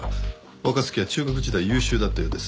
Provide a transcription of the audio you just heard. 若月は中学時代優秀だったようです。